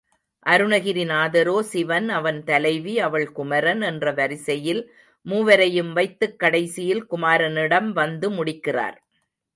அருணகிரிநாதரோ சிவன், அவன் தலைவி, அவள் குமாரன் என்ற வரிசையில் மூவரையும் வைத்துக் கடைசியில் குமாரனிடம் வந்து முடிக்கிறார்.